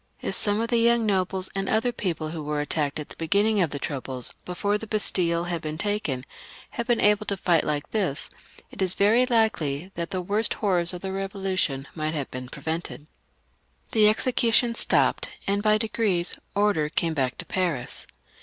If some of the young nobles and other people, who were attacked at the beginning of the troubles, before the Bastille was taken, had been able to fight like this, it is very likely that the worst horrors of the Eevolution might have been prevented. L.] DIRECTORY AND CONSULATE. 421 I The executions stopped, and, by degrees, order came back into Paris.